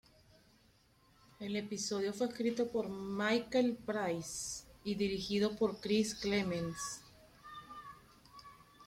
El episodio fue escrito por Michael Price y dirigido por Chris Clements.